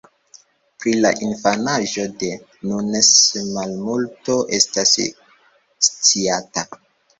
Pri la infanaĝo de Nunes malmulto estas sciata.